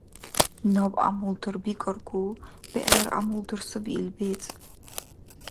Наб гӀямултар бикӀаргу, бегӀлара гӀямултар саби ил бецӀ.